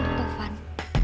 taufan kamu sudah datang